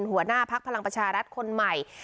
หัวหน้าพักพลังประชารัฐคนใหม่